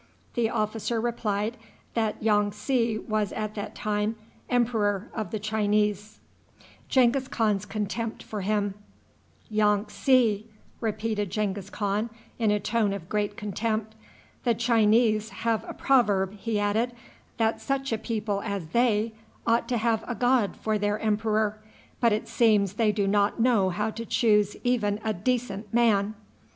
The officer replied that Yong tsi was at that time emperor of the Chinese. "Yong tsi!" repeated Genghis Khan, in a tone of great contempt. "The Chinese have a proverb," he added, "that such a people as they ought to have a god for their emperor; but it seems they do not know how to choose even a decent man."